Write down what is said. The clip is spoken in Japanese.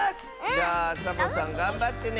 じゃあサボさんがんばってね！